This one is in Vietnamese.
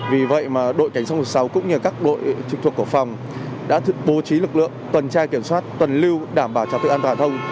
vì vậy đội cảnh sát giao thông sáu cũng như các đội trực thuộc của phòng đã bố trí lực lượng tuần trai kiểm soát tuần lưu đảm bảo cho tự an toàn thông